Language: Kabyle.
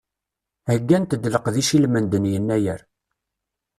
Heggant-d leqdicat i lmend n yennayer.